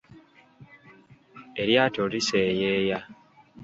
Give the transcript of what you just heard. Eryato liseyeeya.